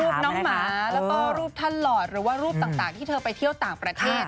น้องหมาแล้วก็รูปท่านหลอดหรือว่ารูปต่างที่เธอไปเที่ยวต่างประเทศ